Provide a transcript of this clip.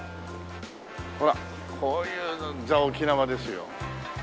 ほらこういうザ・沖縄ですよ。